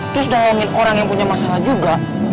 terus nawangin orang yang punya masalah juga